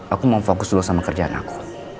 aku mau fokus dulu sama kerjaan aku